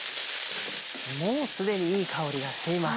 もうすでにいい香りがしています。